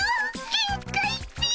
限界っピ！